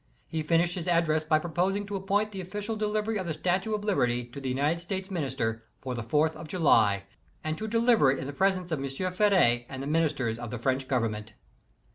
He finished his address by proposing to appoint the official delivery of the Statue of Liberty to the United States Minister for the Fourth of July, and to deliver it in the presence of M. Ferry and the Ministers of the French Government.